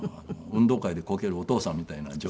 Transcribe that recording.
運動会でこけるお父さんみたいな状態。